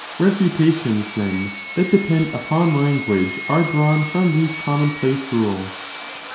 2 Refutations, then, that depend upon language are drawn from these common place rules.